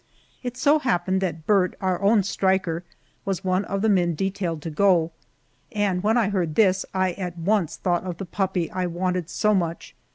It so happened that Burt, our own striker, was one of the men detailed to go, and when I heard this I at once thought of the puppy I wanted so much.